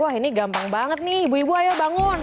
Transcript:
wah ini gampang banget nih ibu ibu ayo bangun